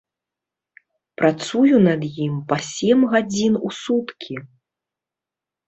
Працую над ім па сем гадзін у суткі.